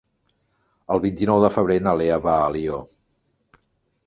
El vint-i-nou de febrer na Lea va a Alió.